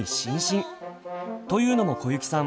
というのも小雪さん